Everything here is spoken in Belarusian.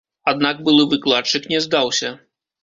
Аднак былы выкладчык не здаўся.